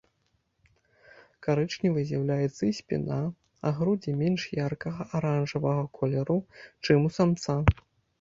Карычневай з'яўляецца і спіна, а грудзі менш яркага аранжавага колеру, чым у самца.